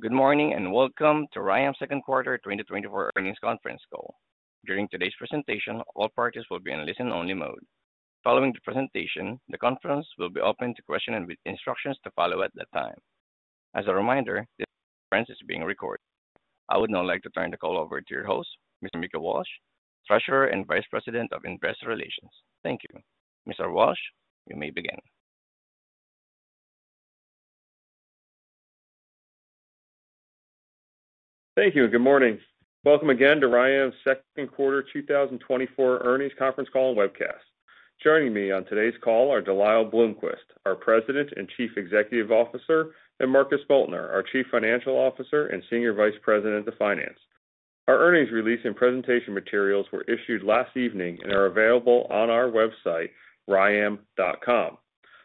Good morning, and welcome to RYAM's second quarter 2024 earnings conference call. During today's presentation, all parties will be in listen-only mode. Following the presentation, the conference will be open to questioning, with instructions to follow at that time. As a reminder, this conference is being recorded. I would now like to turn the call over to your host, Mr. Mickey Walsh, Treasurer and Vice President of Investor Relations. Thank you. Mr. Walsh, you may begin. Thank you, and good morning. Welcome again to RYAM's second quarter 2024 earnings conference call and webcast. Joining me on today's call are De Lyle Bloomquist, our President and Chief Executive Officer, and Marcus Moeltner, our Chief Financial Officer and Senior Vice President of Finance. Our earnings release and presentation materials were issued last evening and are available on our website, ryam.com.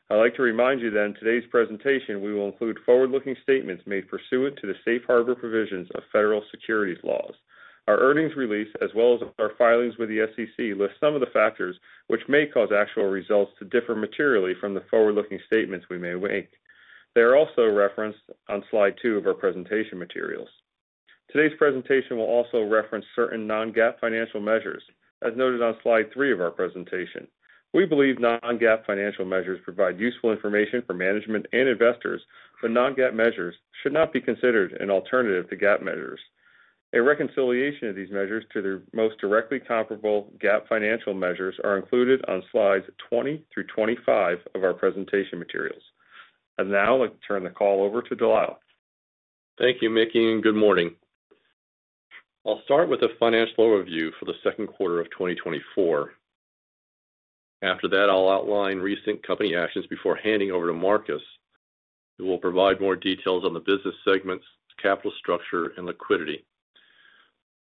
I'd like to remind you that in today's presentation, we will include forward-looking statements made pursuant to the safe harbor provisions of federal securities laws. Our earnings release, as well as our filings with the SEC, list some of the factors which may cause actual results to differ materially from the forward-looking statements we may make. They are also referenced on slide 2 of our presentation materials. Today's presentation will also reference certain non-GAAP financial measures, as noted on slide 3 of our presentation. We believe non-GAAP financial measures provide useful information for management and investors, but non-GAAP measures should not be considered an alternative to GAAP measures. A reconciliation of these measures to their most directly comparable GAAP financial measures are included on slides 20 through 25 of our presentation materials. I'd now like to turn the call over to De Lyle. Thank you, Mickey, and good morning. I'll start with a financial overview for the second quarter of 2024. After that, I'll outline recent company actions before handing over to Marcus, who will provide more details on the business segments, capital structure, and liquidity.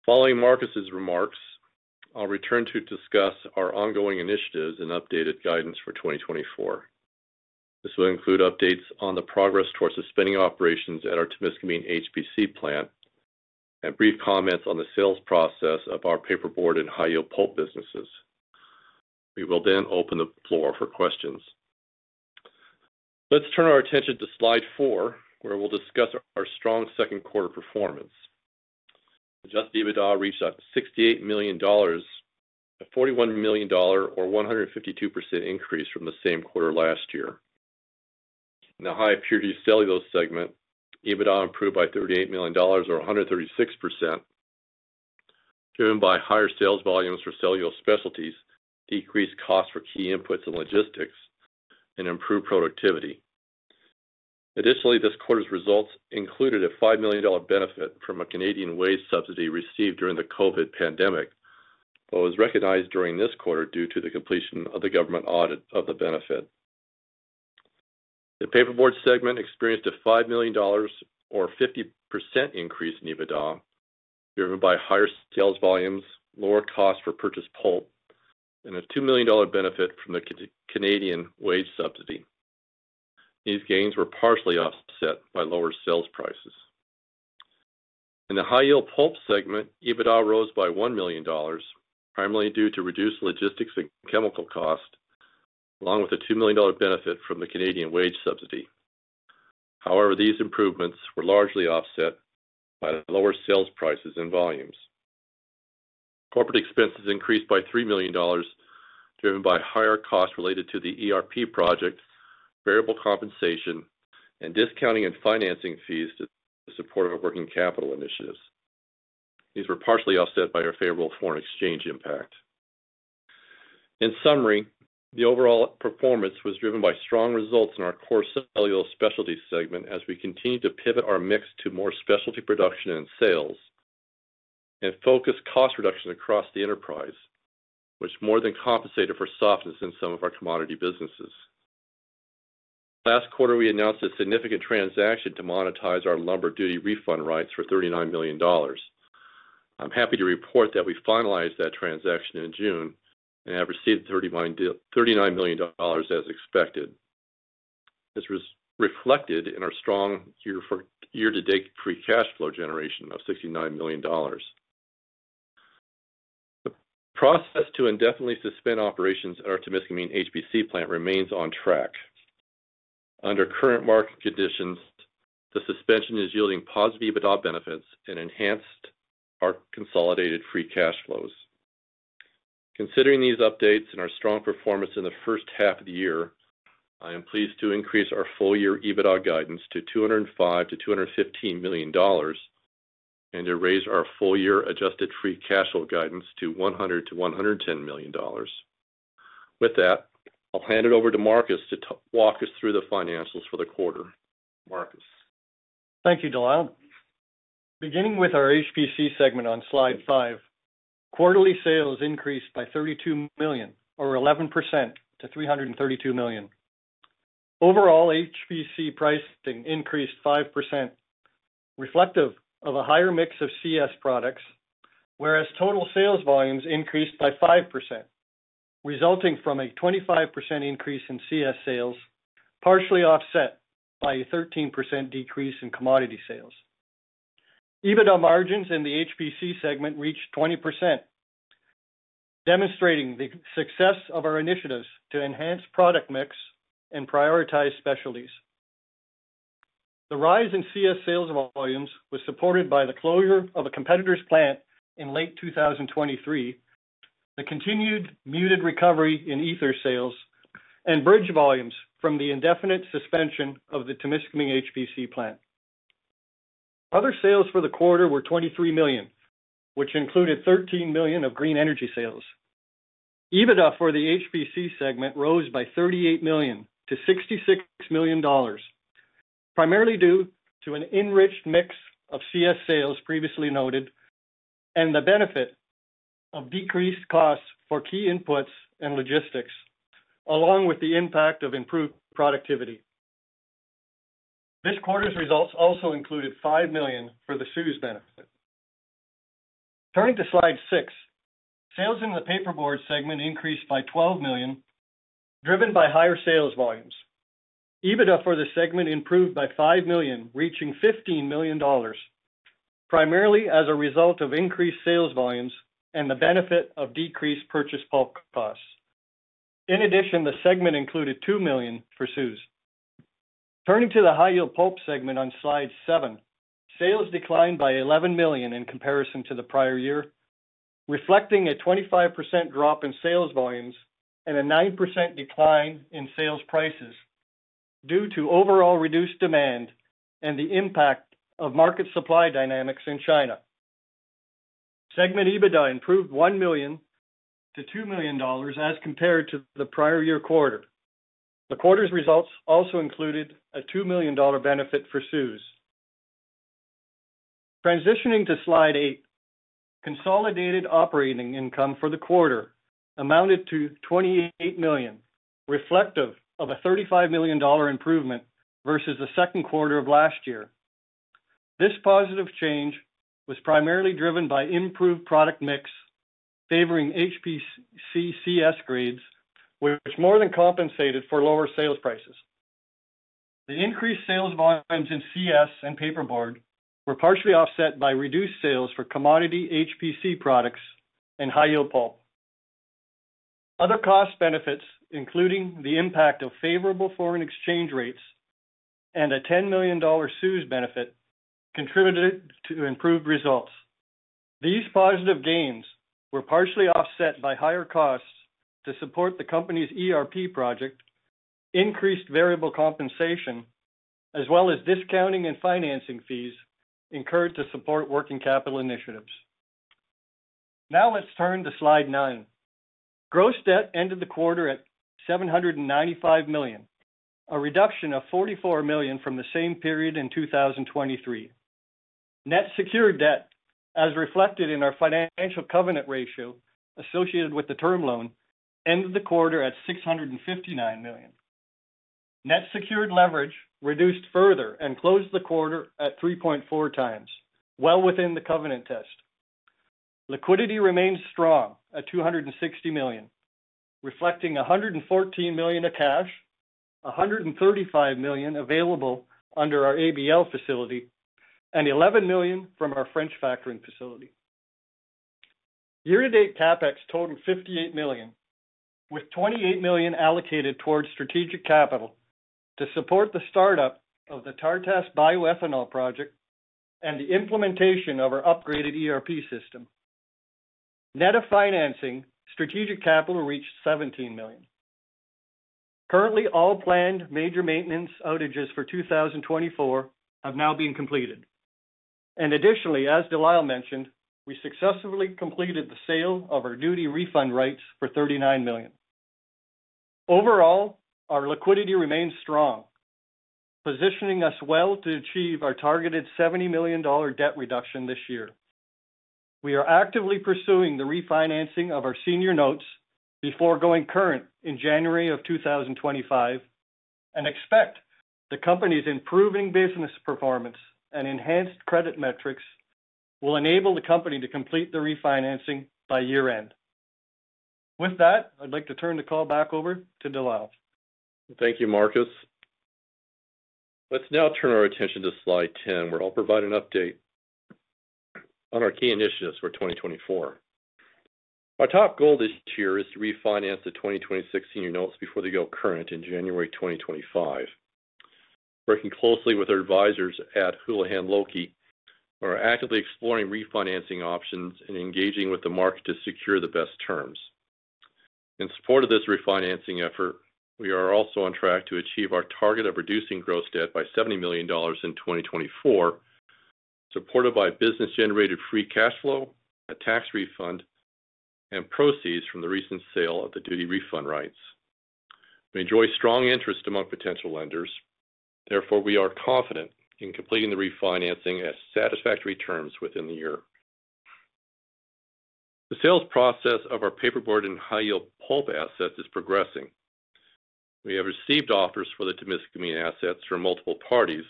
Following Marcus's remarks, I'll return to discuss our ongoing initiatives and updated guidance for 2024. This will include updates on the progress towards suspending operations at our Temiskaming HPC plant, and brief comments on the sales process of our paperboard and high-yield pulp businesses. We will then open the floor for questions. Let's turn our attention to slide 4, where we'll discuss our strong second quarter performance. Adjusted EBITDA reached $68 million, a $41 million or 152% increase from the same quarter last year. In the high-purity cellulose segment, EBITDA improved by $38 million, or 136%, driven by higher sales volumes for cellulose specialties, decreased costs for key inputs and logistics, and improved productivity. Additionally, this quarter's results included a $5 million benefit from a Canadian wage subsidy received during the COVID pandemic, but was recognized during this quarter due to the completion of the government audit of the benefit. The paperboard segment experienced a $5 million or 50% increase in EBITDA, driven by higher sales volumes, lower cost for purchased pulp, and a $2 million benefit from the Canadian wage subsidy. These gains were partially offset by lower sales prices. In the high-yield pulp segment, EBITDA rose by $1 million, primarily due to reduced logistics and chemical costs, along with a $2 million benefit from the Canadian wage subsidy. However, these improvements were largely offset by lower sales prices and volumes. Corporate expenses increased by $3 million, driven by higher costs related to the ERP project, variable compensation, and discounting and financing fees to support our working capital initiatives. These were partially offset by our favorable foreign exchange impact. In summary, the overall performance was driven by strong results in our core cellulose specialties segment as we continued to pivot our mix to more specialty production and sales, and focus cost reduction across the enterprise, which more than compensated for softness in some of our commodity businesses. Last quarter, we announced a significant transaction to monetize our lumber duty refund rights for $39 million. I'm happy to report that we finalized that transaction in June and have received $39 million as expected. This was reflected in our strong year for.. Year-to-date free cash flow generation of $69 million. The process to indefinitely suspend operations at our Temiskaming HPC plant remains on track. Under current market conditions, the suspension is yielding positive EBITDA benefits and enhanced our consolidated free cash flows. Considering these updates and our strong performance in the first half of the year, I am pleased to increase our full-year EBITDA guidance to $205 million-$215 million, and to raise our full-year adjusted free cash flow guidance to $100 million-$110 million. With that, I'll hand it over to Marcus to walk us through the financials for the quarter. Marcus? Thank you, De Lyle. Beginning with our HPC segment on slide 5, quarterly sales increased by $32 million, or 11%, to $332 million. Overall, HPC pricing increased 5%, reflective of a higher mix of CS products, whereas total sales volumes increased by 5%, resulting from a 25% increase in CS sales, partially offset by a 13% decrease in commodity sales. EBITDA margins in the HPC segment reached 20%, demonstrating the success of our initiatives to enhance product mix and prioritize specialties. The rise in CS sales volumes was supported by the closure of a competitor's plant in late 2023, the continued muted recovery in ether sales, and bridge volumes from the indefinite suspension of the Temiskaming HPC plant. Other sales for the quarter were $23 million, which included $13 million of green energy sales. EBITDA for the HPC segment rose by $38 million-$66 million, primarily due to an enriched mix of CS sales previously noted, and the benefit of decreased costs for key inputs and logistics, along with the impact of improved productivity. This quarter's results also included $5 million for the CEWS benefit. Turning to Slide 6, sales in the paperboard segment increased by $12 million, driven by higher sales volumes. EBITDA for the segment improved by $5 million, reaching $15 million, primarily as a result of increased sales volumes and the benefit of decreased purchase pulp costs. In addition, the segment included $2 million for CEWS. Turning to the high-yield pulp segment on slide 7, sales declined by $11 million in comparison to the prior year, reflecting a 25% drop in sales volumes and a 9% decline in sales prices due to overall reduced demand and the impact of market supply dynamics in China. Segment EBITDA improved $1 million-$2 million as compared to the prior year quarter. The quarter's results also included a $2 million benefit for CEWS. Transitioning to Slide 8, consolidated operating income for the quarter amounted to $28 million, reflective of a $35 million improvement versus the second quarter of last year. This positive change was primarily driven by improved product mix, favoring HPC CS grades, which more than compensated for lower sales prices. The increased sales volumes in CS and paperboard were partially offset by reduced sales for commodity HPC products and high-yield pulp. Other cost benefits, including the impact of favorable foreign exchange rates and a $10 million CEWS benefit, contributed to improved results. These positive gains were partially offset by higher costs to support the company's ERP project, increased variable compensation, as well as discounting and financing fees incurred to support working capital initiatives. Now let's turn to Slide 9. Gross debt ended the quarter at $795 million, a reduction of $44 million from the same period in 2023. Net secured debt, as reflected in our financial covenant ratio associated with the term loan, ended the quarter at $659 million. Net secured leverage reduced further and closed the quarter at 3.4 times, well within the covenant test. Liquidity remains strong at $260 million, reflecting $114 million of cash, $135 million available under our ABL facility, and $11 million from our French factoring facility. Year-to-date CapEx totaled $58 million, with $28 million allocated towards strategic capital to support the startup of the Tartas bioethanol project and the implementation of our upgraded ERP system. Net of financing, strategic capital reached $17 million. Currently, all planned major maintenance outages for 2024 have now been completed. Additionally, as De Lyle mentioned, we successfully completed the sale of our duty refund rights for $39 million. Overall, our liquidity remains strong, positioning us well to achieve our targeted $70 million debt reduction this year. We are actively pursuing the refinancing of our senior notes before going current in January 2025, and expect the company's improving business performance and enhanced credit metrics will enable the company to complete the refinancing by year-end. With that, I'd like to turn the call back over to De Lyle. Thank you, Marcus. Let's now turn our attention to Slide 10, where I'll provide an update on our key initiatives for 2024. Our top goal this year is to refinance the 2026 senior notes before they go current in January 2025. Working closely with our advisors at Houlihan Lokey, we are actively exploring refinancing options and engaging with the market to secure the best terms. In support of this refinancing effort, we are also on track to achieve our target of reducing gross debt by $70 million in 2024, supported by business-generated free cash flow, a tax refund, and proceeds from the recent sale of the duty refund rights. We enjoy strong interest among potential lenders. Therefore, we are confident in completing the refinancing at satisfactory terms within the year. The sales process of our paperboard and high-yield pulp assets is progressing. We have received offers for the Temiskaming assets from multiple parties,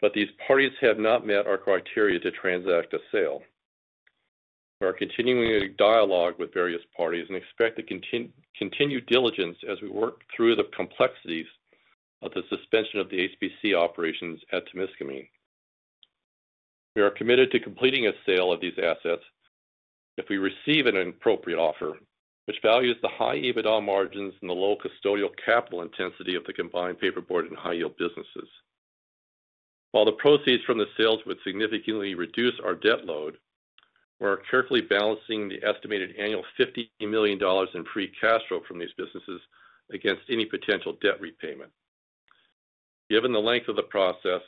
but these parties have not met our criteria to transact a sale. We are continuing to dialogue with various parties and expect to continue diligence as we work through the complexities of the suspension of the HPC operations at Temiskaming. We are committed to completing a sale of these assets if we receive an appropriate offer, which values the high EBITDA margins and the low custodial capital intensity of the combined paperboard and high-yield businesses. While the proceeds from the sales would significantly reduce our debt load, we're carefully balancing the estimated annual $50 million in free cash flow from these businesses against any potential debt repayment. Given the length of the process,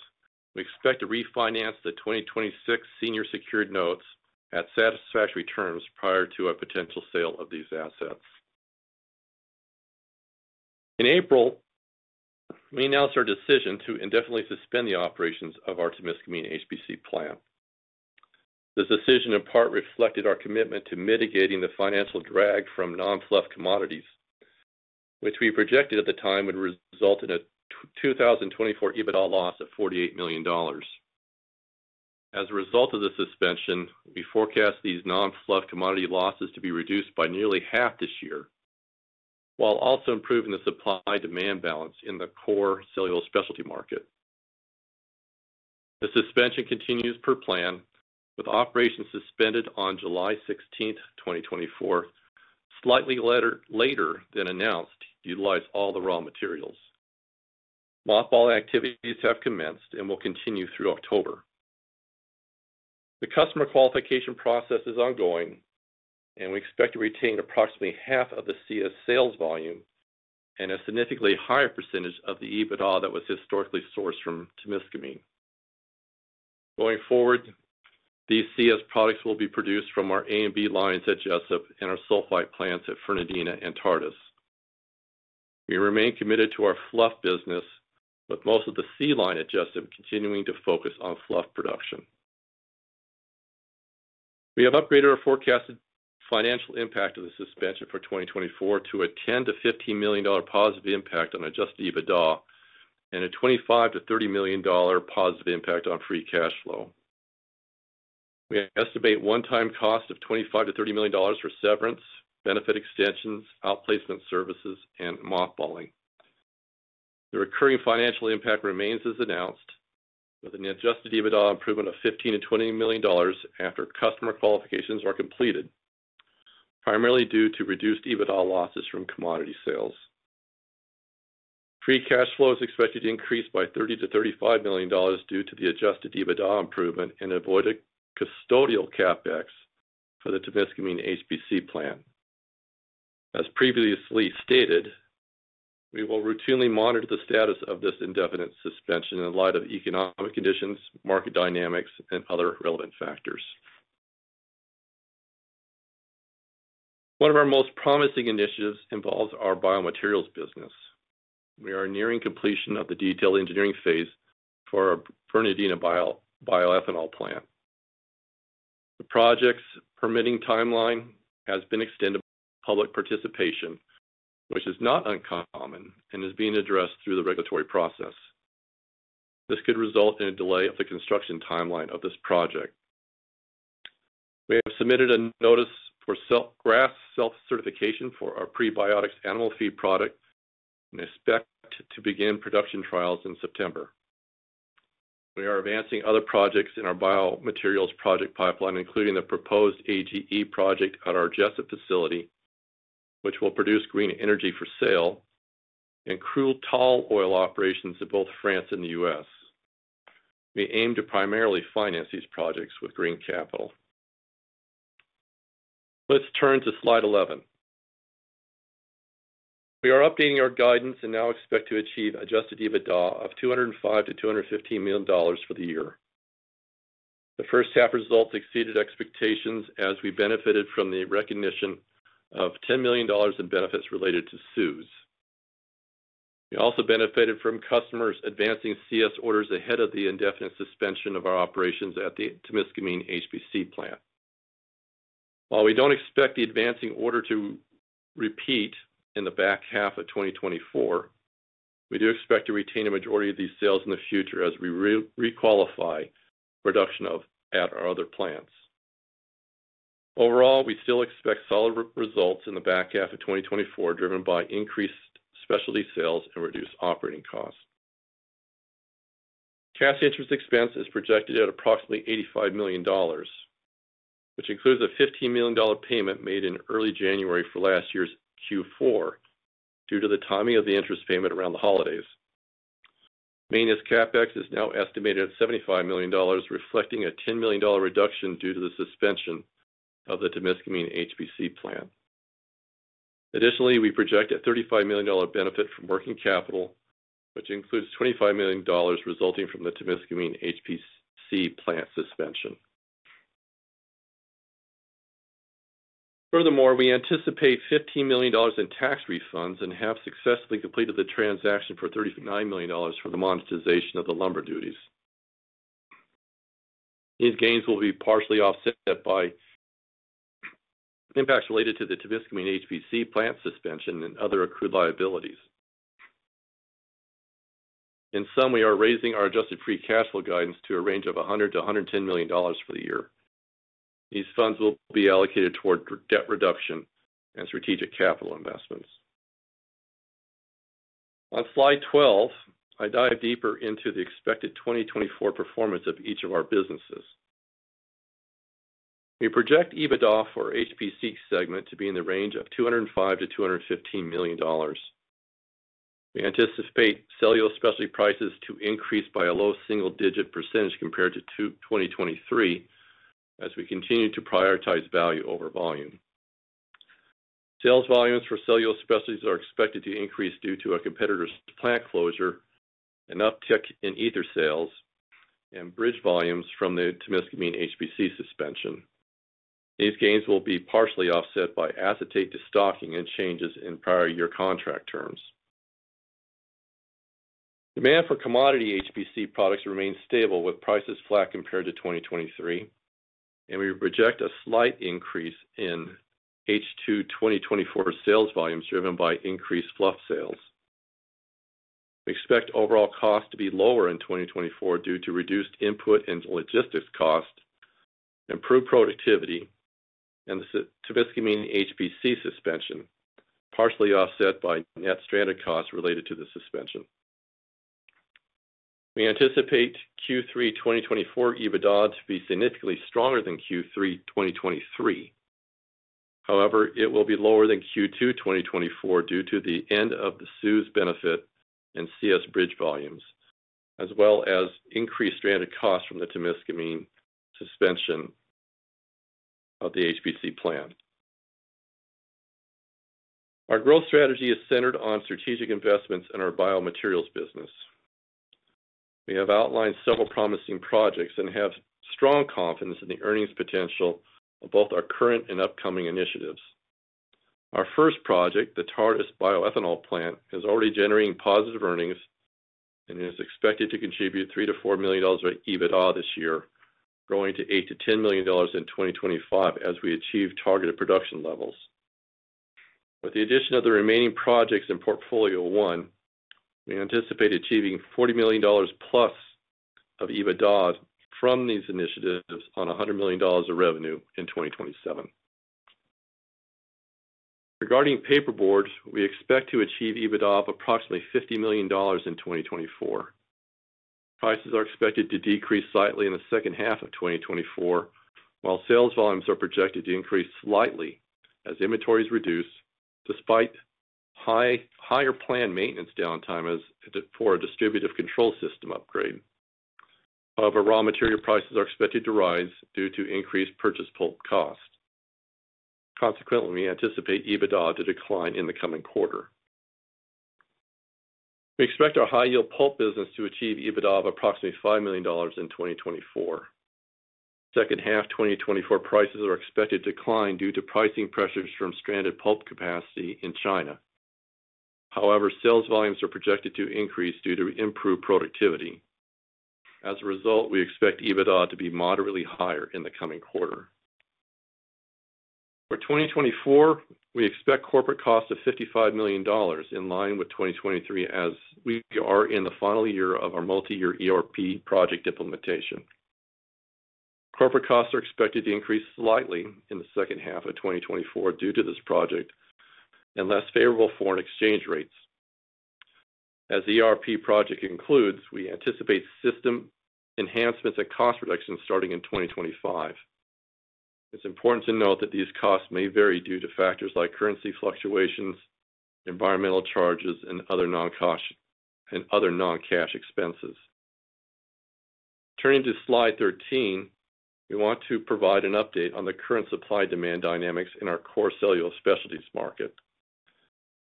we expect to refinance the 2026 senior secured notes at satisfactory terms prior to a potential sale of these assets. In April, we announced our decision to indefinitely suspend the operations of our Temiskaming HPC plant. This decision in part reflected our commitment to mitigating the financial drag from non-fluff commodities, which we projected at the time would result in a 2024 EBITDA loss of $48 million. As a result of the suspension, we forecast these non-fluff commodity losses to be reduced by nearly half this year, while also improving the supply-demand balance in the core cellulose specialty market. The suspension continues per plan, with operations suspended on July 16, 2024, slightly later than announced, to utilize all the raw materials. Mothball activities have commenced and will continue through October. The customer qualification process is ongoing, and we expect to retain approximately half of the CS sales volume and a significantly higher percentage of the EBITDA that was historically sourced from Temiskaming. Going forward, these CS products will be produced from our A and B lines at Jesup and our sulfite plants at Fernandina and Tartas. We remain committed to our fluff business, with most of the C line at Jesup continuing to focus on fluff production. We have upgraded our forecasted financial impact of the suspension for 2024 to a $10 million-$15 million positive impact on adjusted EBITDA and a $25 million-$30 million positive impact on free cash flow. We estimate one-time cost of $25 million-$30 million for severance, benefit extensions, outplacement services, and mothballing. The recurring financial impact remains as announced, with an adjusted EBITDA improvement of $15 million-$20 million after customer qualifications are completed, primarily due to reduced EBITDA losses from commodity sales. Free cash flow is expected to increase by $30 million-$35 million due to the Adjusted EBITDA improvement and avoided custodial CapEx for the Temiskaming HPC plant. As previously stated, we will routinely monitor the status of this indefinite suspension in light of economic conditions, market dynamics, and other relevant factors. One of our most promising initiatives involves our biomaterials business. We are nearing completion of the detailed engineering phase for our Fernandina bioethanol plant. The project's permitting timeline has been extended public participation, which is not uncommon and is being addressed through the regulatory process. This could result in a delay of the construction timeline of this project. We have submitted a notice for self-GRAS self-certification for our prebiotics animal feed product, and expect to begin production trials in September. We are advancing other projects in our biomaterials project pipeline, including the proposed RNG project at our Jesup facility, which will produce green energy for sale, and crude tall oil operations in both France and the US. We aim to primarily finance these projects with green capital. Let's turn to slide 11. We are updating our guidance and now expect to achieve Adjusted EBITDA of $205 million-$215 million for the year. The first half results exceeded expectations as we benefited from the recognition of $10 million in benefits related to CEWS. We also benefited from customers advancing CS orders ahead of the indefinite suspension of our operations at the Temiskaming HPC plant. While we don't expect the advancing order to repeat in the back half of 2024, we do expect to retain a majority of these sales in the future as we re-qualify production at our other plants. Overall, we still expect solid results in the back half of 2024, driven by increased specialty sales and reduced operating costs. Cash interest expense is projected at approximately $85 million, which includes a $15 million payment made in early January for last year's Q4 due to the timing of the interest payment around the holidays. Maintenance CapEx is now estimated at $75 million, reflecting a $10 million reduction due to the suspension of the Temiskaming HPC plant. Additionally, we project a $35 million benefit from working capital, which includes $25 million resulting from the Temiskaming HPC plant suspension. Furthermore, we anticipate $15 million in tax refunds and have successfully completed the transaction for $39 million for the monetization of the lumber duties. These gains will be partially offset by impacts related to the Temiskaming HPC plant suspension and other accrued liabilities. In sum, we are raising our adjusted free cash flow guidance to a range of $100 million-$110 million for the year. These funds will be allocated toward debt reduction and strategic capital investments.... On Slide 12, I dive deeper into the expected 2024 performance of each of our businesses. We project EBITDA for our HPC segment to be in the range of $205 million-$215 million. We anticipate cellulose specialty prices to increase by a low single-digit % compared to 2023, as we continue to prioritize value over volume. Sales volumes for Cellulose Specialties are expected to increase due to a competitor's plant closure, an uptick in Ethers sales, and bridge volumes from the Temiskaming HPC suspension. These gains will be partially offset by Acetate destocking and changes in prior year contract terms. Demand for commodity HPC products remains stable, with prices flat compared to 2023, and we project a slight increase in H2 2024 sales volumes, driven by increased fluff sales. We expect overall costs to be lower in 2024 due to reduced input and logistics costs, improved productivity, and the Temiskaming HPC suspension, partially offset by net stranded costs related to the suspension. We anticipate Q3 2024 EBITDA to be significantly stronger than Q3 2023. However, it will be lower than Q2 2024 due to the end of the CEWS benefit and CS bridge volumes, as well as increased stranded costs from the Temiskaming suspension of the HPC plant. Our growth strategy is centered on strategic investments in our biomaterials business. We have outlined several promising projects and have strong confidence in the earnings potential of both our current and upcoming initiatives. Our first project, the Tartas bioethanol plant, is already generating positive earnings and is expected to contribute $3 million-$4 million of EBITDA this year, growing to $8-$10 million in 2025 as we achieve targeted production levels. With the addition of the remaining projects in portfolio one, we anticipate achieving $40 million+ of EBITDA from these initiatives on $100 million of revenue in 2027. Regarding paperboard, we expect to achieve EBITDA of approximately $50 million in 2024. Prices are expected to decrease slightly in the second half of 2024, while sales volumes are projected to increase slightly as inventories reduce, despite higher planned maintenance downtime for a distributed control system upgrade. However, raw material prices are expected to rise due to increased purchase pulp cost. Consequently, we anticipate EBITDA to decline in the coming quarter. We expect our high-yield pulp business to achieve EBITDA of approximately $5 million in 2024. Second half 2024 prices are expected to decline due to pricing pressures from stranded pulp capacity in China. However, sales volumes are projected to increase due to improved productivity. As a result, we expect EBITDA to be moderately higher in the coming quarter. For 2024, we expect corporate costs of $55 million, in line with 2023, as we are in the final year of our multi-year ERP project implementation. Corporate costs are expected to increase slightly in the second half of 2024 due to this project and less favorable foreign exchange rates. As the ERP project concludes, we anticipate system enhancements and cost reductions starting in 2025. It's important to note that these costs may vary due to factors like currency fluctuations, environmental charges, and other non-cash, and other non-cash expenses. Turning to Slide 13, we want to provide an update on the current supply-demand dynamics in our core cellulose specialties market.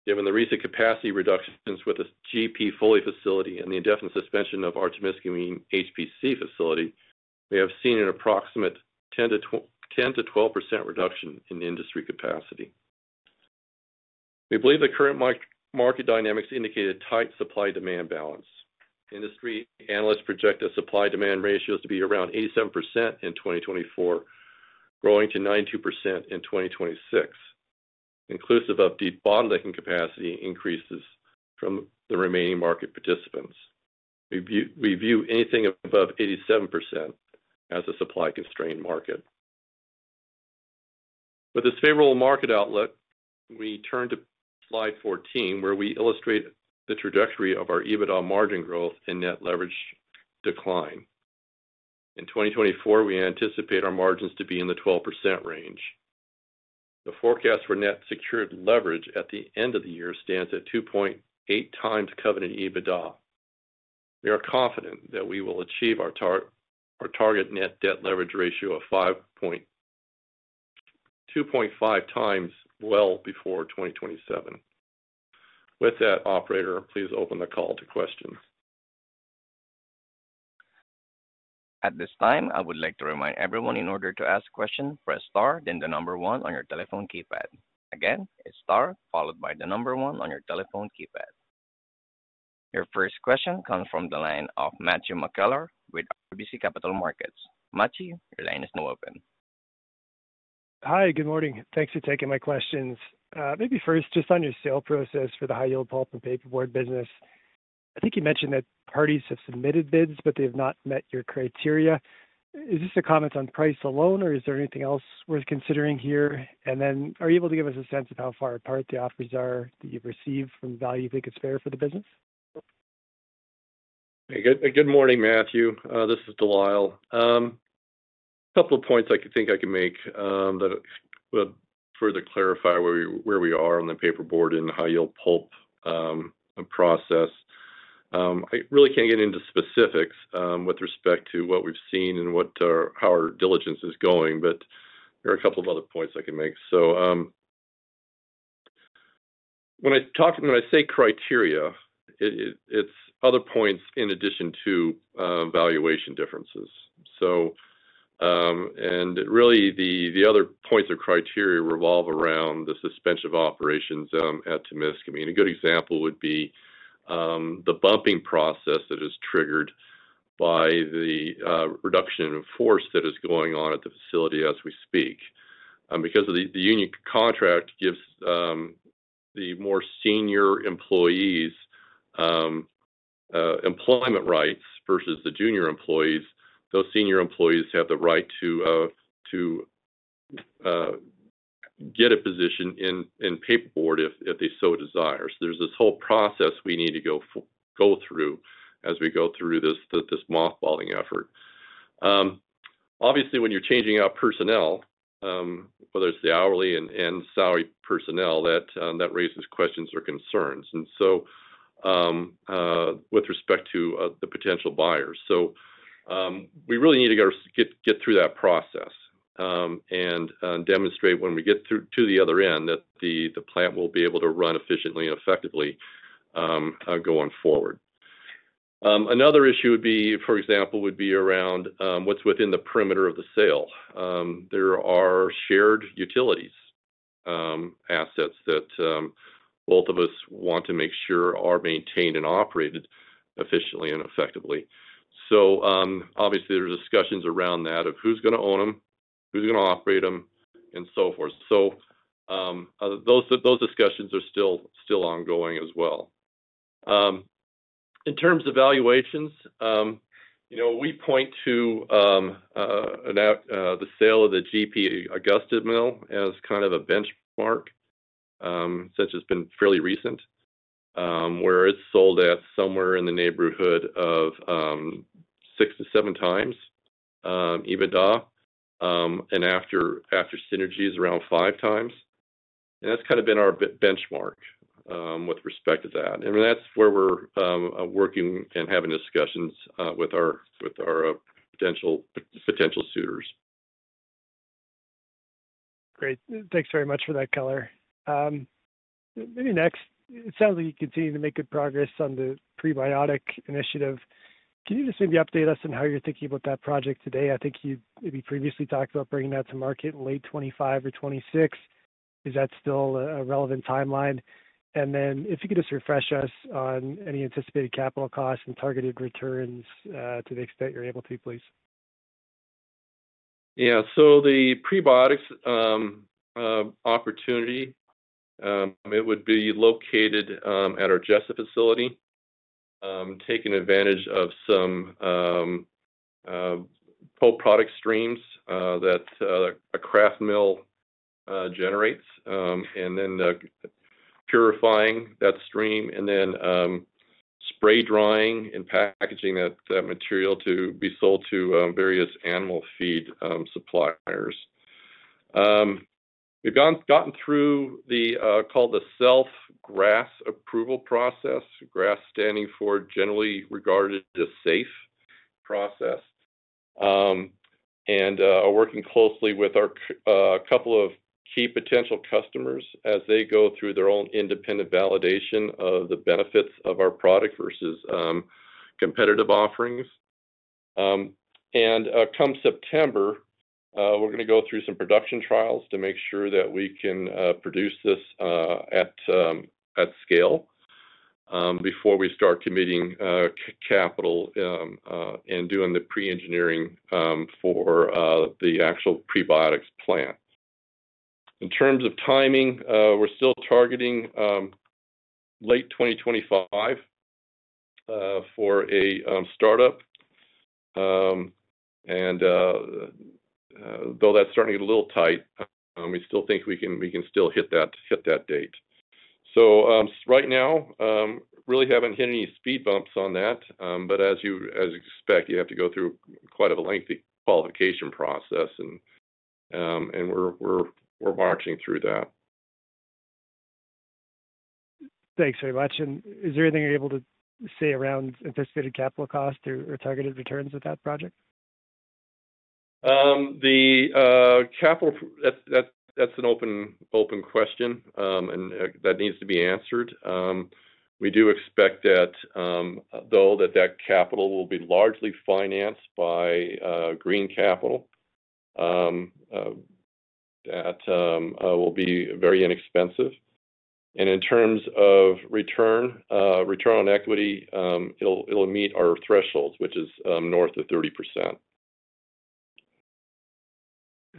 Given the recent capacity reductions with the GP Foley facility and the indefinite suspension of our Temiskaming HPC facility, we have seen an approximate 10%-12% reduction in industry capacity. We believe the current market dynamics indicate a tight supply-demand balance. Industry analysts project the supply-demand ratios to be around 87% in 2024, growing to 92% in 2026, inclusive of debottlenecking capacity increases from the remaining market participants. We view anything above 87% as a supply-constrained market. With this favorable market outlet, we turn to Slide 14, where we illustrate the trajectory of our EBITDA margin growth and net leverage decline. In 2024, we anticipate our margins to be in the 12% range. The forecast for net secured leverage at the end of the year stands at 2.8x covenant EBITDA. We are confident that we will achieve our target net debt leverage ratio of 2.5x well before 2027. With that, operator, please open the call to questions. At this time, I would like to remind everyone, in order to ask a question, press star, then the number one on your telephone keypad. Again, it's star, followed by the number one on your telephone keypad. Your first question comes from the line of Matthew McKellar with RBC Capital Markets. Matthew, your line is now open. Hi, good morning. Thanks for taking my questions. Maybe first, just on your sales process for the High-Yield Pulp and Paperboard business. I think you mentioned that parties have submitted bids, but they have not met your criteria. Is this a comment on price alone, or is there anything else worth considering here? And then, are you able to give us a sense of how far apart the offers are that you've received from the value you think is fair for the business? Hey, good morning, Matthew. This is De Lyle. Couple of points I could think I could make that would further clarify where we are on the paperboard and the high-yield pulp process. I really can't get into specifics with respect to what we've seen and how our diligence is going, but there are a couple of other points I can make. So, when I say criteria, it's other points in addition to valuation differences. So, and really, the other points or criteria revolve around the suspension of operations at Temiskaming. A good example would be the bumping process that is triggered by the reduction in force that is going on at the facility as we speak. Because of the union contract gives the more senior employees employment rights versus the junior employees. Those senior employees have the right to get a position in paperboard if they so desire. So there's this whole process we need to go through as we go through this mothballing effort. Obviously, when you're changing out personnel, whether it's the hourly and salary personnel, that raises questions or concerns, and so, with respect to the potential buyers. So, we really need to get through that process, and demonstrate when we get through to the other end, that the plant will be able to run efficiently and effectively, going forward. Another issue would be, for example, would be around what's within the parameters of the sale. There are shared utilities, assets that both of us want to make sure are maintained and operated efficiently and effectively. So, obviously, there are discussions around that, of who's gonna own them, who's gonna operate them, and so forth. So, those discussions are still ongoing as well. In terms of valuations, you know, we point to the sale of the GP Augusta Mill as kind of a benchmark, since it's been fairly recent. Where it's sold at somewhere in the neighborhood of 6x-7x EBITDA, and after synergies, around 5x. And that's kind of been our benchmark with respect to that. And that's where we're working and having discussions with our potential suitors. Great. Thanks very much for that color. Maybe next, it sounds like you're continuing to make good progress on the prebiotics initiative. Can you just maybe update us on how you're thinking about that project today? I think you maybe previously talked about bringing that to market in late 2025 or 2026. Is that still a relevant timeline? And then, if you could just refresh us on any anticipated capital costs and targeted returns, to the extent you're able to, please. Yeah. So the prebiotics opportunity, it would be located at our Jesup facility, taking advantage of some pulp product streams that a kraft mill generates, and then purifying that stream, and then spray drying and packaging that material to be sold to various animal feed suppliers. We've gotten through the self GRAS approval process. GRAS standing for generally recognized as safe process. And are working closely with our couple of key potential customers as they go through their own independent validation of the benefits of our product versus competitive offerings. Come September, we're gonna go through some production trials to make sure that we can produce this at scale before we start committing capital and doing the pre-engineering for the actual prebiotics plant. In terms of timing, we're still targeting late 2025 for a startup. Though that's starting to get a little tight, we still think we can hit that date. So, right now, really haven't hit any speed bumps on that. But as you expect, you have to go through quite a lengthy qualification process, and we're marching through that. Thanks very much. Is there anything you're able to say around anticipated capital cost or targeted returns with that project? The capital... That's an open question, and that needs to be answered. We do expect that, though, that capital will be largely financed by green capital that will be very inexpensive. And in terms of return on equity, it'll meet our thresholds, which is north of 30%.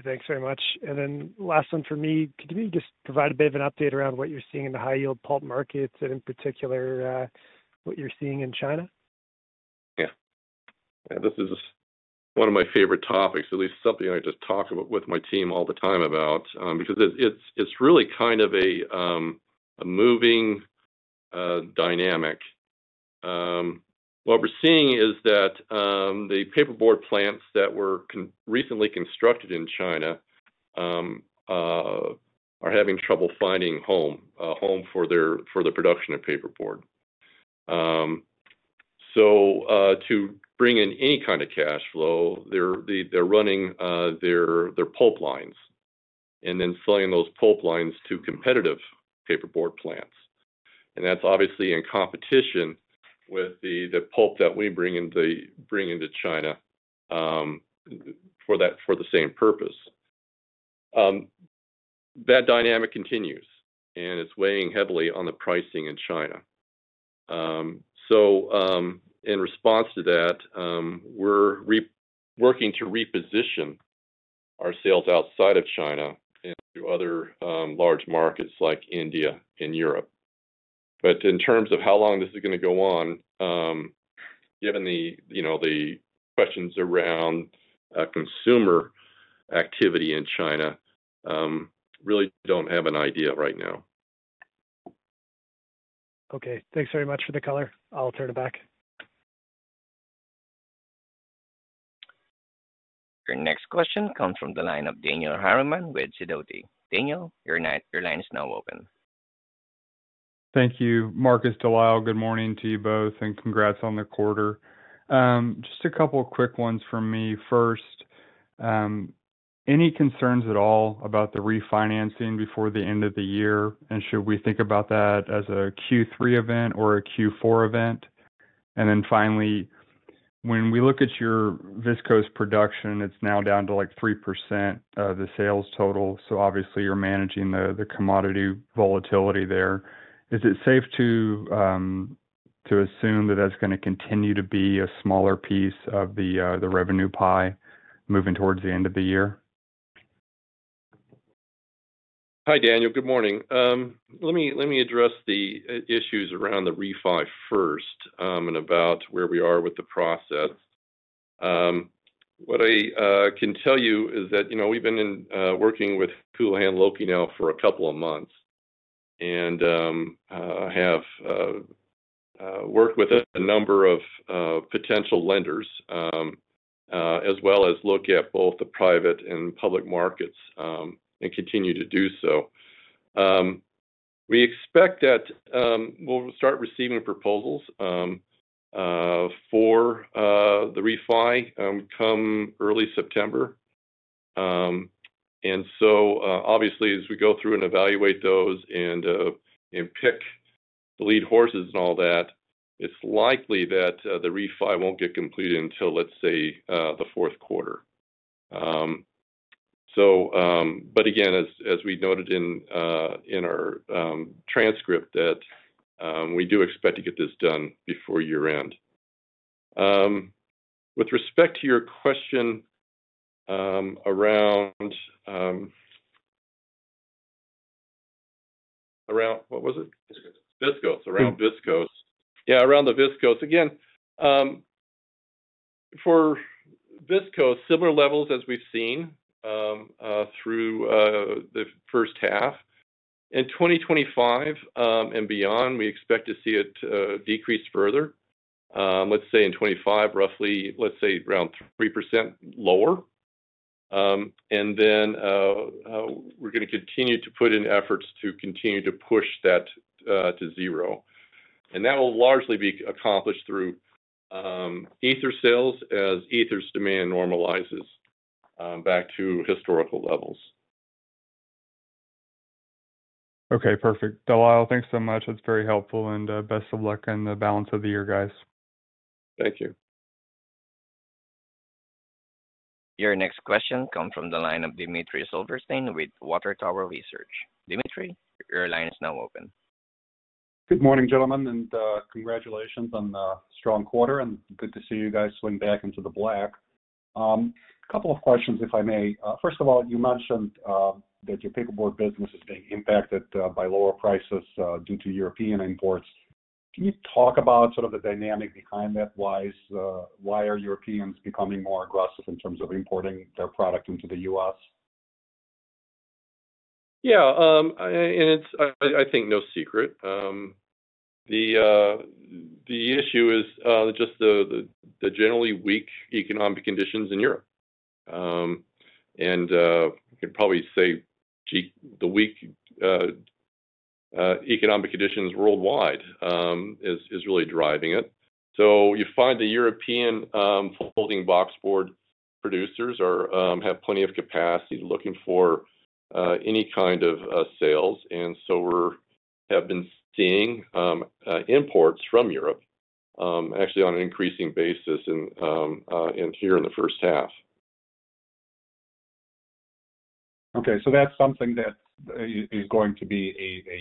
Thanks very much. And then last one for me. Could you just provide a bit of an update around what you're seeing in the high-yield pulp markets, and in particular, what you're seeing in China? Yeah. And this is one of my favorite topics, at least something I just talk about with my team all the time about, because it's really kind of a moving dynamic. What we're seeing is that the paperboard plants that were recently constructed in China are having trouble finding a home for their production of paperboard. So, to bring in any kind of cash flow, they're running their pulp lines and then selling those pulp lines to competitive paperboard plants. And that's obviously in competition with the pulp that we bring into China for the same purpose. That dynamic continues, and it's weighing heavily on the pricing in China. So, in response to that, we're working to reposition our sales outside of China into other large markets like India and Europe. But in terms of how long this is gonna go on, given the, you know, the questions around consumer activity in China, really don't have an idea right now. Okay, thanks very much for the color. I'll turn it back. Your next question comes from the line of Daniel Harriman with Sidoti. Daniel, your line is now open. Thank you. Marcus, De Lyle, good morning to you both, and congrats on the quarter. Just a couple of quick ones from me. First, any concerns at all about the refinancing before the end of the year, and should we think about that as a Q3 event or a Q4 event? And then finally, when we look at your viscose production, it's now down to, like, 3% of the sales total, so obviously you're managing the commodity volatility there. Is it safe to assume that that's gonna continue to be a smaller piece of the revenue pie moving towards the end of the year? Hi, Daniel. Good morning. Let me address the issues around the refi first, and about where we are with the process. What I can tell you is that, you know, we've been working with Houlihan Lokey now for a couple of months, and have worked with a number of potential lenders, as well as look at both the private and public markets, and continue to do so. We expect that we'll start receiving proposals for the refi come early September. And so, obviously, as we go through and evaluate those and pick the lead horses and all that, it's likely that the refi won't get completed until, let's say, the fourth quarter. So, But again, as we noted in our transcript, that we do expect to get this done before year-end. With respect to your question, around... What was it? Viscose. Viscose. Around viscose. Yeah, around the viscose. Again, for viscose, similar levels as we've seen through the first half. In 2025, and beyond, we expect to see it decrease further. Let's say in 25, roughly, let's say around 3% lower. And then, we're gonna continue to put in efforts to continue to push that to zero. And that will largely be accomplished through ethers sales as ethers demand normalizes back to historical levels. Okay, perfect. De Lyle, thanks so much. That's very helpful, and best of luck in the balance of the year, guys. Thank you. Your next question comes from the line of Dmitry Silversteyn with Water Tower Research. Dmitry, your line is now open. Good morning, gentlemen, and congratulations on the strong quarter, and good to see you guys swing back into the black. A couple of questions, if I may. First of all, you mentioned that your paperboard business is being impacted by lower prices due to European imports. Can you talk about sort of the dynamic behind that? Why are Europeans becoming more aggressive in terms of importing their product into the U.S.? Yeah, and it's no secret. The issue is just the generally weak economic conditions in Europe. And you could probably say gee, the weak economic conditions worldwide is really driving it. So you find the European folding boxboard producers have plenty of capacity, looking for any kind of sales. And so we have been seeing imports from Europe actually on an increasing basis and here in the first half. Okay, so that's something that is going to be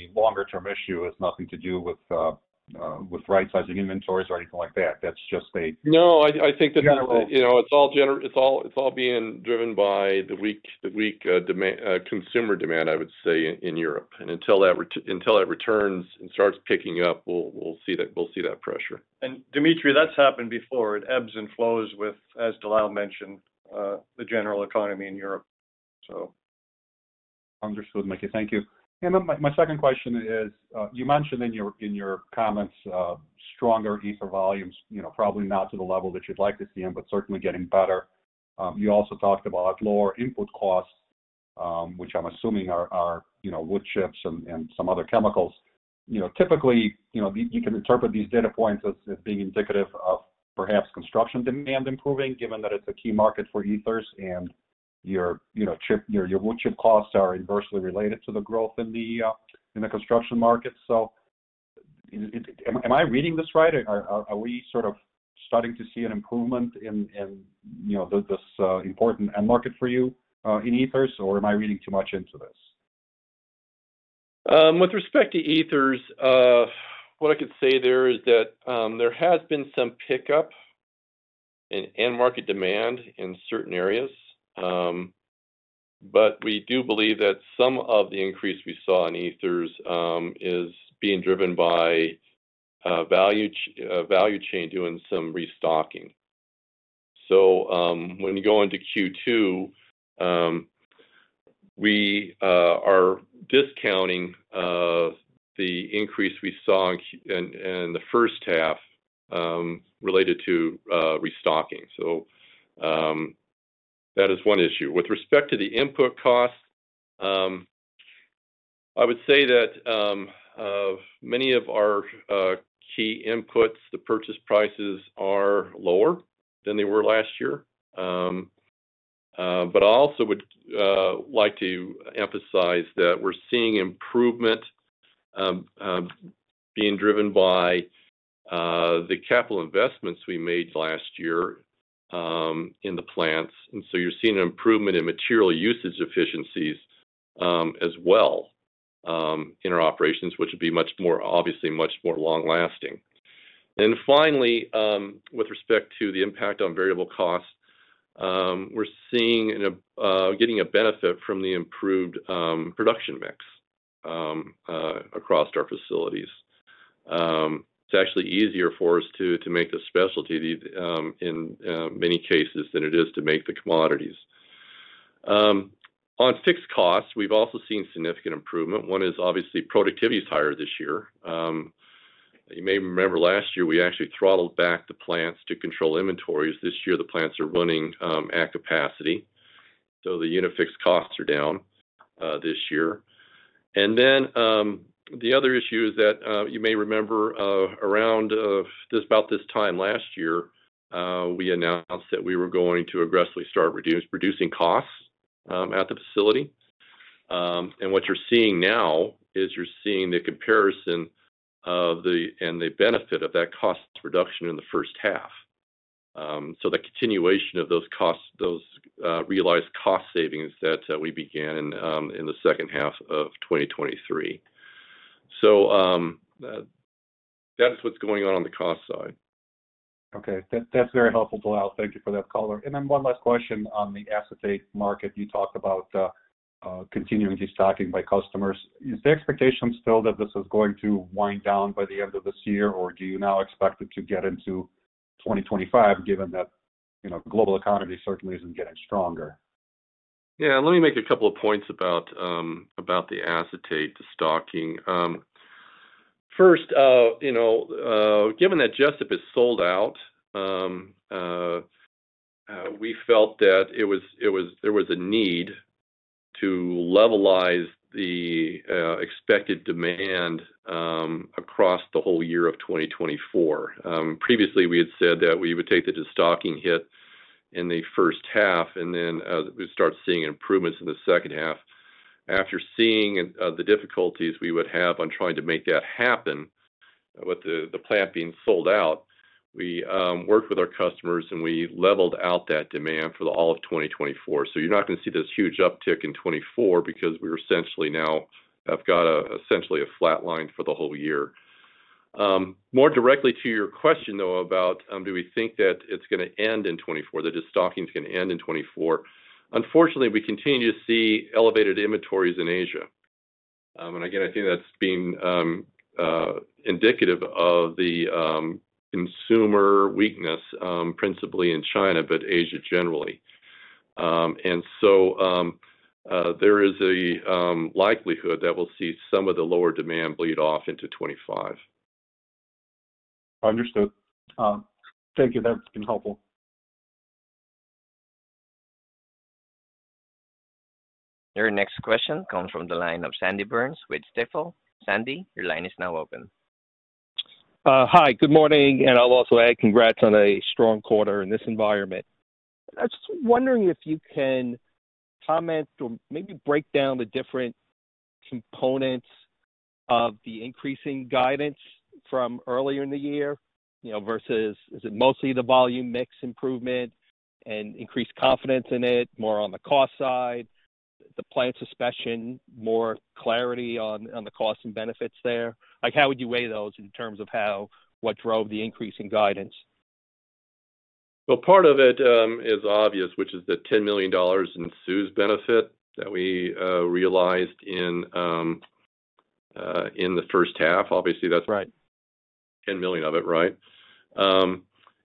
a longer term issue. It's nothing to do with right-sizing inventories or anything like that. That's just a- No, I think that, you know, it's all being driven by the weak consumer demand, I would say, in Europe. And until that returns and starts picking up, we'll see that pressure. Dmitry, that's happened before. It ebbs and flows with, as De Lyle mentioned, the general economy in Europe, so. Understood, Mikey. Thank you. And then my, my second question is, you mentioned in your, in your comments, stronger ethers volumes, you know, probably not to the level that you'd like to see them, but certainly getting better. You also talked about lower input costs, which I'm assuming are, are, you know, wood chips and, and some other chemicals. You know, typically, you know, you can interpret these data points as, as being indicative of perhaps construction demand improving, given that it's a key market for ethers and your, you know, chip—your wood chip costs are inversely related to the growth in the, in the construction market. So is it... Am I reading this right, or are we sort of starting to see an improvement in, you know, this important end market for you in ethers, or am I reading too much into this? With respect to Ethers, what I could say there is that, there has been some pickup in end market demand in certain areas. But we do believe that some of the increase we saw in Ethers is being driven by value chain doing some restocking. So, when you go into Q2, we are discounting the increase we saw in the first half related to restocking. So, that is one issue. With respect to the input costs, I would say that many of our key inputs, the purchase prices are lower than they were last year. But I also would like to emphasize that we're seeing improvement being driven by the capital investments we made last year in the plants. So you're seeing an improvement in material usage efficiencies, as well, in our operations, which would be much more, obviously, much more long lasting. And finally, with respect to the impact on variable costs, we're seeing an -- getting a benefit from the improved production mix across our facilities. It's actually easier for us to make the specialty in many cases than it is to make the commodities. On fixed costs, we've also seen significant improvement. One is obviously productivity is higher this year. You may remember last year, we actually throttled back the plants to control inventories. This year, the plants are running at capacity, so the unit fixed costs are down this year. The other issue is that you may remember, about this time last year, we announced that we were going to aggressively start reducing costs at the facility. What you're seeing now is the comparison and the benefit of that cost reduction in the first half. So the continuation of those costs, those realized cost savings that we began in the second half of 2023. So that is what's going on on the cost side. Okay. That, that's very helpful, De Lyle. Thank you for that color. And then one last question on the acetate market. You talked about continuing destocking by customers. Is the expectation still that this is going to wind down by the end of this year, or do you now expect it to get into 2025, given that, you know, global economy certainly isn't getting stronger? Yeah, let me make a couple of points about the acetate destocking. First, you know, given that Jesup is sold out, we felt that it was, it was - there was a need to levelize the expected demand across the whole year of 2024. Previously, we had said that we would take the destocking hit in the first half, and then we'd start seeing improvements in the second half. After seeing the difficulties we would have on trying to make that happen with the plant being sold out, we worked with our customers, and we leveled out that demand for all of 2024. So you're not going to see this huge uptick in 2024 because we're essentially now have got essentially a flat line for the whole year. More directly to your question, though, about, do we think that it's going to end in 2024, the destocking is going to end in 2024? Unfortunately, we continue to see elevated inventories in Asia. And again, I think that's been indicative of the consumer weakness, principally in China, but Asia generally. And so, there is a likelihood that we'll see some of the lower demand bleed off into 2025. Understood. Thank you. That's been helpful. Your next question comes from the line of Sandy Burns with Stifel. Sandy, your line is now open. Hi, good morning, and I'll also add congrats on a strong quarter in this environment. I was wondering if you can comment or maybe break down the different components of the increasing guidance from earlier in the year, you know, versus is it mostly the volume mix improvement and increased confidence in it, more on the cost side, the plant suspension, more clarity on the costs and benefits there? Like, how would you weigh those in terms of how what drove the increase in guidance? Well, part of it is obvious, which is the $10 million in CEWS benefit that we realized in the first half. Obviously, that's- Right. $10 million of it, right.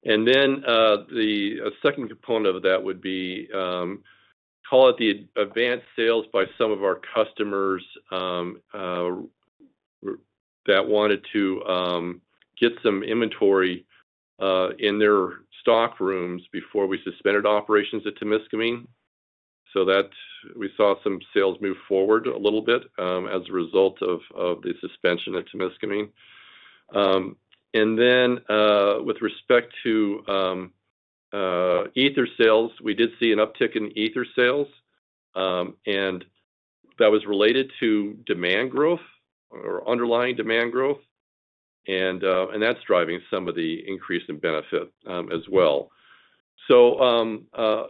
And then, the second component of that would be, call it the advanced sales by some of our customers, that wanted to get some inventory in their stock rooms before we suspended operations at Temiskaming. So that's we saw some sales move forward a little bit, as a result of the suspension at Temiskaming. And then, with respect to ethers sales, we did see an uptick in ethers sales, and that was related to demand growth or underlying demand growth, and that's driving some of the increase in benefit, as well. So,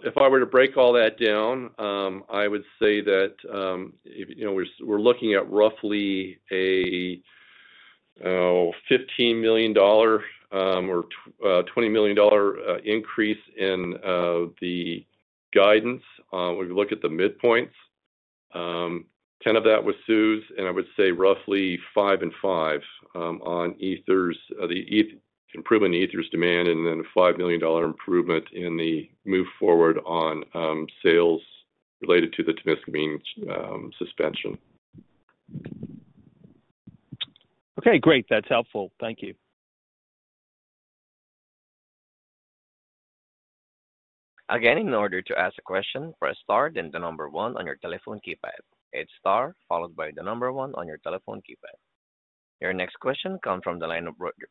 if I were to break all that down, I would say that, if, you know, we're looking at roughly a $15 million or $20 million increase in the guidance. When we look at the midpoints, 10 of that was CEWS, and I would say roughly 5 and 5 on ethers. The improvement in ethers demand and then a $5 million improvement in the move forward on sales related to the Temiskaming suspension. Okay, great. That's helpful. Thank you. Again, in order to ask a question, press star, then the number 1 on your telephone keypad. It's star, followed by the number 1 on your telephone keypad. Your next question comes from the line of Roger.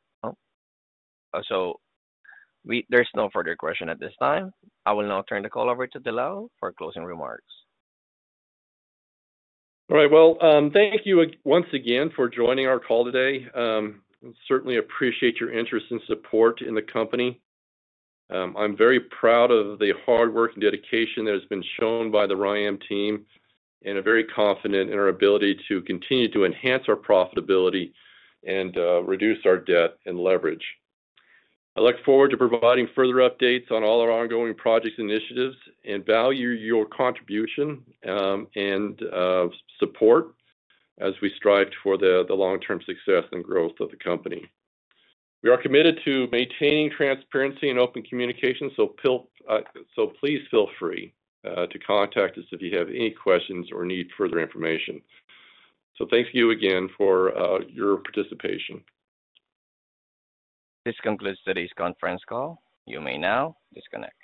There's no further question at this time. I will now turn the call over to De Lyle for closing remarks. All right. Well, thank you once again for joining our call today. Certainly appreciate your interest and support in the company. I'm very proud of the hard work and dedication that has been shown by the RYAM team, and I'm very confident in our ability to continue to enhance our profitability and reduce our debt and leverage. I look forward to providing further updates on all our ongoing projects initiatives and value your contribution and support as we strive for the long-term success and growth of the company. We are committed to maintaining transparency and open communication, so please feel free to contact us if you have any questions or need further information. So thank you again for your participation. This concludes today's conference call. You may now disconnect.